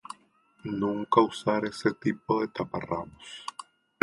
Nunca usar ese tipo de taparrabos.